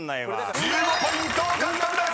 ［１５ポイント獲得です］